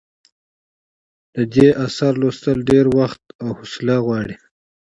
د دې اثر لوستل ډېر وخت او حوصله غواړي.